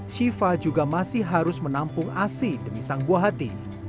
syifa juga masih harus menampung asi demi sang buah hati